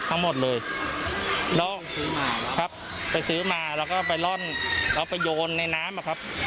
ทั้งหมดเลยแล้วซื้อมาครับไปซื้อมาแล้วก็ไปร่อนแล้วไปโยนในน้ำอะครับ